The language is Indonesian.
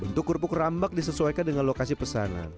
untuk kerupuk rambak disesuaikan dengan lokasi pesanan